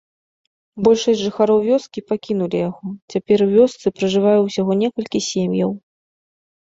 Большасць жыхароў вёскі пакінулі яго, цяпер у вёсцы пражывае ўсяго некалькі сем'яў.